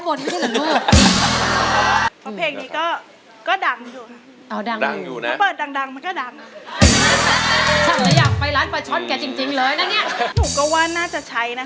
หนูก็ว่าน่าจะใช้นะคะ